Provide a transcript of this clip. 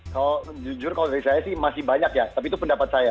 kalau jujur kalau dari saya sih masih banyak ya tapi itu pendapat saya